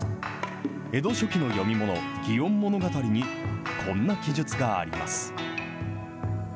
江戸初期の読み物、祇園物語に、こんな記述があります。